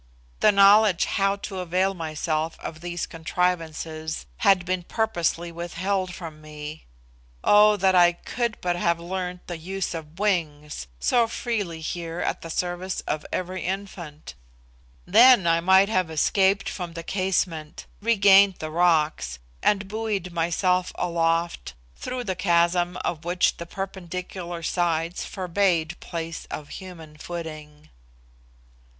The knowledge how to avail myself of these contrivances had been purposely withheld from me. Oh, that I could but have learned the use of wings, so freely here at the service of every infant, then I might have escaped from the casement, regained the rocks, and buoyed myself aloft through the chasm of which the perpendicular sides forbade place for human footing!